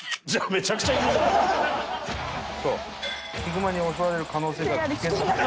「ヒグマに襲われる可能性がある危険な行為です」